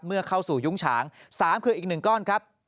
เมื่อเข้าสู่ยุ้งฉาง๓คืออีก๑ก้อนครับ